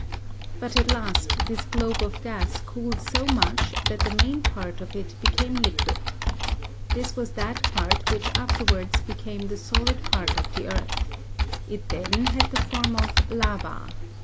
But at last this globe of gas cooled so much that the main part of it became liquid. This was that part which afterwards became the solid part of the earth. It then had the form of lava.